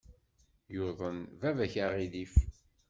Yuḍen baba-k aɣilif.